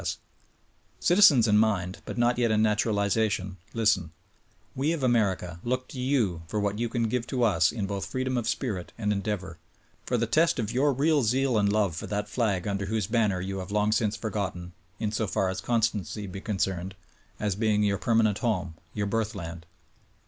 S. S. ! Citizens in mind, but not yet in naturalization, listen: We of America look to you for what you can give to us in both freedom of spirit and endeavor; for the test of your real zeal and love for that flag under whose banner you have long since forgotten, insofar as constancy be concerned, as being your permanent home— your birth land.